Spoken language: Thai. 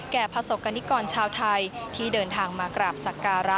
แก่พระศกนิกรชาวไทยที่เดินทางมากราบศักรา